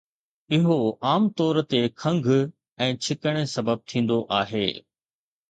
اهو عام طور تي کنگهه ۽ ڇڪڻ سبب ٿيندو آهي